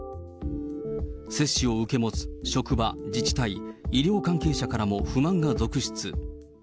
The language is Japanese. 接種を受け持つ職場、自治体、医療関係者からも不満が続出。